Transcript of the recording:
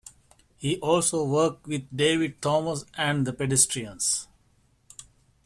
He also worked with David Thomas and the Pedestrians.